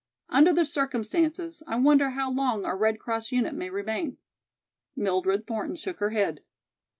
Under the circumstances I wonder how long our Red Cross unit may remain?" Mildred Thornton shook her head.